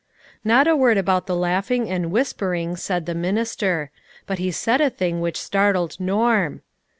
Not a word about the laughing and whisper ing said the minister. But he said a thing which startled Norm.